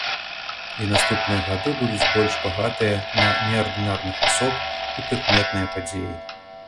І наступныя гады будуць больш багатыя на неардынарных асоб і прыкметныя падзеі.